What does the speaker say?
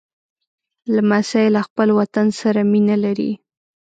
لمسی له خپل وطن سره مینه لري.